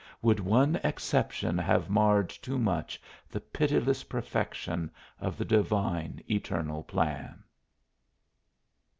Would one exception have marred too much the pitiless perfection of the divine, eternal plan?